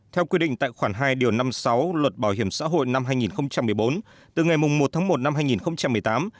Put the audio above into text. theo quy định tại khoản hai điều năm mươi sáu luật bảo hiểm xã hội năm hai nghìn một mươi bốn từ ngày một tháng một năm hai nghìn một mươi tám